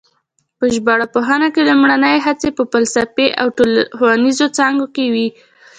په ژبارواپوهنه کې لومړنۍ هڅې په فلسفي او ښوونیزو څانګو کې وې